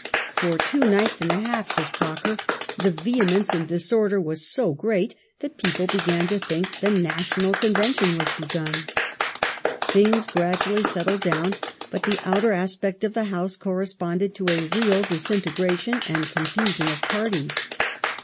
" For two nights and a half," says Croker, " the vehemence and disorder weis so great that people began to think the National Convention was begun." ^ Things gradually settled down, but the outer aspect of the House corresponded to a real disintegration and confusion of parties.